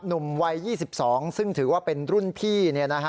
หนุ่มวัย๒๒ซึ่งถือว่าเป็นรุ่นพี่